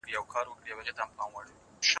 که مشوره وي نو ستونزې حل کیږي.